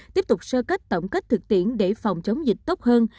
tiếp tục sơ kết tổng kết thực tiễn để phòng chống dịch tốt hơn